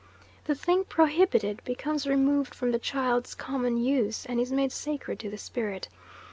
The thing prohibited becomes removed from the child's common use, and is made sacred to the spirit.